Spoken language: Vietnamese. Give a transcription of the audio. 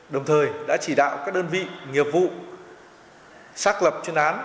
đồng thời đã chỉ đạo các đơn vị nghiệp vụ xác lập chuyên án